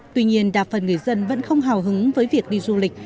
tuy nhiên đa phần người dân vẫn không hào hứng với việc đi du lịch